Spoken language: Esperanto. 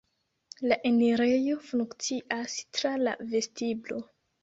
La enirejo funkcias tra la vestiblo.